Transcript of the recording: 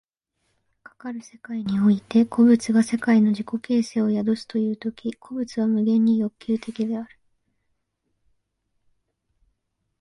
かかる世界において個物が世界の自己形成を宿すという時、個物は無限に欲求的である。